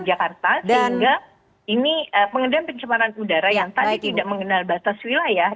jakarta sehingga ini pengendalian pencemaran udara yang tadi tidak mengenal batas wilayah